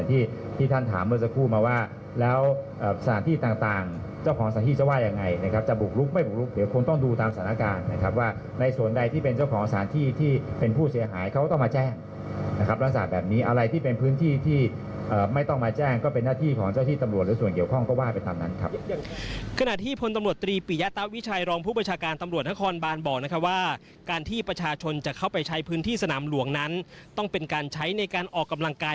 แต่ที่ท่านถามเมื่อสักครู่มาว่าแล้วสถานที่ต่างเจ้าของสถานที่จะว่ายังไงนะครับจะบุกลุกไม่บุกลุกเดี๋ยวคนต้องดูตามสถานการณ์นะครับว่าในส่วนใดที่เป็นเจ้าของสถานที่ที่เป็นผู้เสียหายเขาต้องมาแจ้งนะครับรังศาลแบบนี้อะไรที่เป็นพื้นที่ที่ไม่ต้องมาแจ้งก็เป็นหน้าที่ของเจ้าที่ตำรวจหรือส่วนเกี่ย